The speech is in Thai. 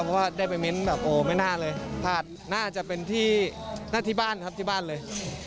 เพราะว่าได้ไปเม้นท์แบบไม่น่าเลยพาดน่าจะเป็นที่บ้านเลย